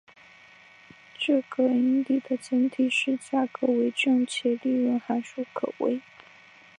这个引理的前提是价格为正且利润函数可微。